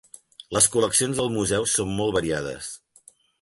Les col·leccions del museu són molt variades.